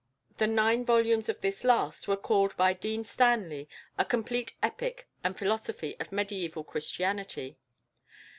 The nine volumes of this last were called by Dean Stanley "a complete epic and philosophy of mediæval Christianity."